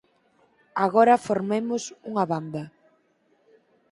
Agora formemos unha banda".